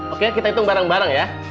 oke kita hitung bareng bareng ya